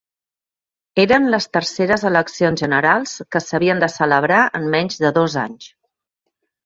Eren les terceres eleccions generals que s'havien de celebrar en menys de dos anys.